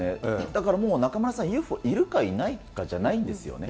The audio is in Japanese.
だからもう、中丸さん、ＵＦＯいるかいないかじゃないんですよね。